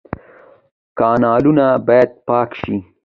کانالونه باید پاک شي